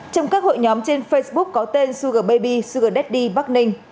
trong các hội nhóm trên facebook có tên sugar baby sugar daddy bắc ninh